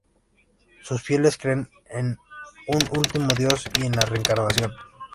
Sus fieles creen en un único Dios, y en la reencarnación.